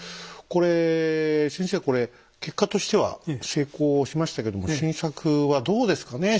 これ先生これ結果としては成功しましたけども晋作はどうですかね